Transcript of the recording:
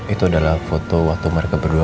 itu adalah foto waktu mereka berdua